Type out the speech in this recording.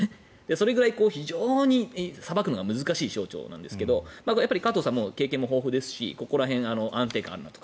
それぐらい非常にさばくのが難しい省庁なんですが加藤さんも経験豊富で安定感があるなと。